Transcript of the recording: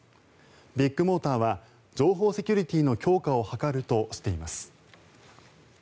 ビッグモーターは情報セキュリティーの強化を図るとしています。